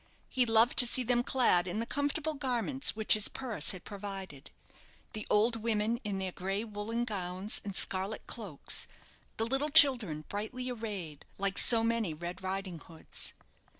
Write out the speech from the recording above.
He loved to see them clad in the comfortable garments which his purse had provided the old women in their gray woollen gowns and scarlet cloaks, the little children brightly arrayed, like so many Red Riding hoods.